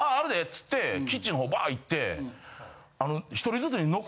つってキッチンの方バーッ行って１人ずつに。